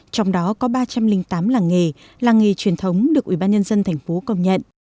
trong đó có ba trăm linh tám làng nghề làng nghề truyền thống được ủy ban nhân dân thành phố công nhận